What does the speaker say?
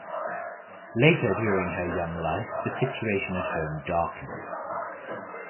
Later during her young life the situation at home darkened.